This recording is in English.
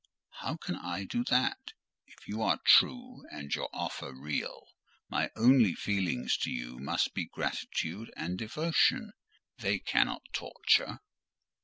"How can I do that? If you are true, and your offer real, my only feelings to you must be gratitude and devotion—they cannot torture."